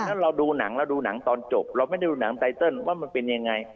ถ้าเราดูหนังเราดูหนังตอนจบเราไม่ได้ดูหนังไตเติลว่ามันเป็นยังไง